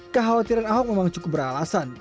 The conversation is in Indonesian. kekhawatiran ahok memang cukup beralasan